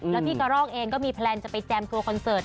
แล้วพี่กระรอกเองก็มีแพลนจะไปแจมทัวร์คอนเสิร์ต